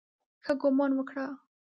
ښه ګومان وکړه.